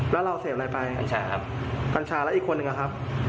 แล้วเราเสพอะไรไปกัญชาครับกัญชาแล้วอีกคนนึงอะครับ